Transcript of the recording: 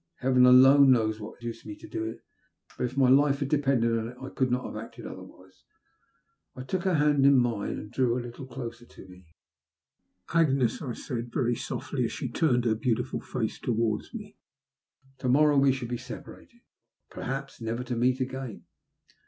Heaven alone knows what induced me to do it; but if my life had depended on it I could not have acted otherwise. I took her hand in mine and drew her a little closer to me. "Agnes," I said, very softly, as she turned her beautiful face towards me, "to morrow we shall be separated, perhaps never to meet again.